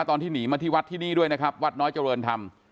ตอนที่หนีมาที่วัดที่นี่ด้วยนะครับวัดน้อยเจริญธรรม